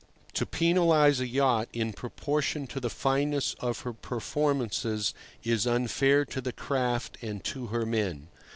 To penalize a yacht in proportion to the fineness of her performance is unfair to the craft and to her men.